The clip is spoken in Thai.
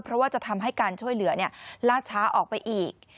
เพราะว่าจะทำให้การช่วยเหลือลาดช้าออกไปอีก